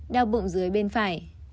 đau bụng dưới bên phải